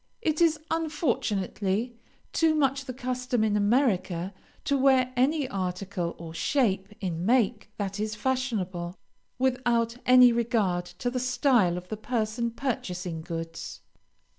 It is, unfortunately, too much the custom in America to wear any article, or shape in make, that is fashionable, without any regard to the style of the person purchasing goods.